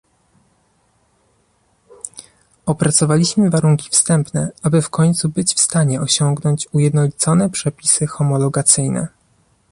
Opracowaliśmy warunki wstępne, aby w końcu być w stanie osiągnąć ujednolicone przepisy homologacyjne